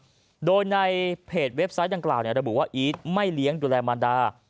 เมื่อในเพจเว็บไซต์ดังกล่าวอีทไม่เลี้ยงดูแลมารดา